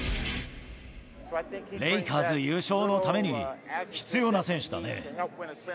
レイカーズ優勝のために、必要な選手だね。